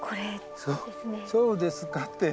そうですかって。